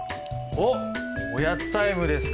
おっおやつタイムですか。